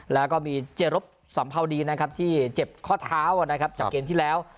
แล้วก็มีเจรบสัมภาวดีนะครับที่เจ็บข้อเท้านะครับจากเกมที่แล้ว